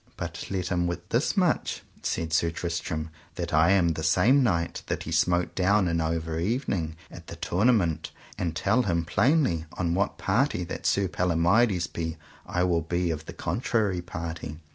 But let him wit thus much, said Sir Tristram, that I am the same knight that he smote down in over evening at the tournament; and tell him plainly on what party that Sir Palomides be I will be of the contrary party.